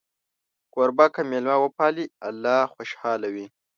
کوربه که میلمه وپالي، الله خوشحاله وي.